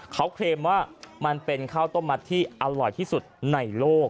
เขาเคลมว่ามันเป็นข้าวต้มมัดที่อร่อยที่สุดในโลก